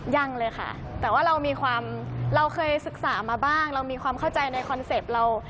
ยังเลยค่ะแต่ว่าเรามีความเราเคยศึกษามาบ้างเรามีความเข้าใจในคอนเซ็ปต์เรา